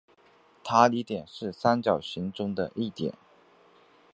塔里点是三角形中的一点。